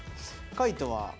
海人は？